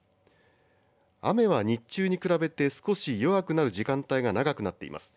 雨は日中に比べて少し弱くなる時間帯が長くなっています。